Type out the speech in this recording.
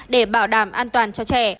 để bảo đảm an toàn cho trẻ